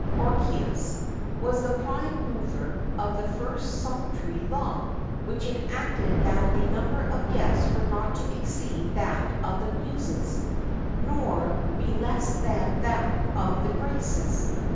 Orchius, was the prime mover of the first sumptuary law, which enacted that the number of guests were not to exceed that of the Muses, nor be less than that of the Graces.